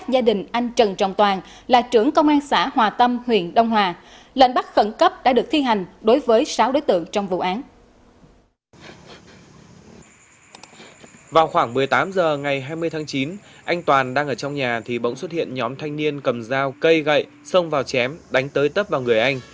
vào khoảng một mươi tám h ngày hai mươi tháng chín anh toàn đang ở trong nhà thì bỗng xuất hiện nhóm thanh niên cầm dao cây gậy xông vào chém đánh tới tấp vào người anh